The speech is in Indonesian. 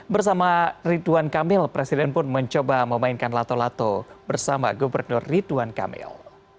bersama ridwan kamil presiden pun mencoba memainkan lato lato bersama gubernur ridwan kamil